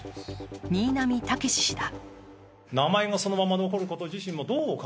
新浪剛史氏だ。